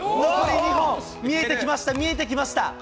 見えてきました、見えてきました。